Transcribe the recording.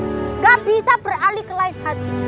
tidak bisa beralih ke lain hati